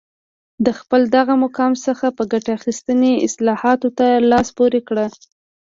له خپل دغه مقام څخه په ګټې اخیستنې اصلاحاتو ته لاس پورې کړ